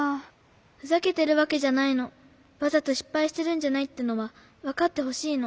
ふざけてるわけじゃないの。わざとしっぱいしてるんじゃないってのはわかってほしいの。